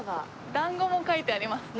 「だんご」も書いてありますね。